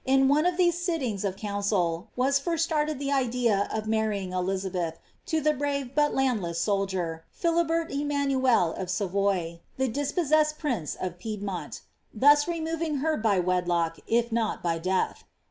843 le of these sittings of council was first started the idea of marrying th to the brave, but landless soldier, Philibert Emanuel of Savoy, Nwsessed prince of Piedmont ; thus removing her by wedlock, if death.